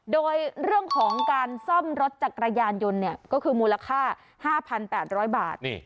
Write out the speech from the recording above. โดยเรื่องของการซ่อมรถจักรยานยนต์ก็คือมูลค่า๕๘๐๐บาท